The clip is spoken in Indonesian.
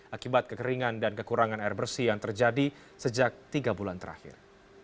akibat kekeringan dan kekurangan air bersih yang terjadi sejak tiga bulan terakhir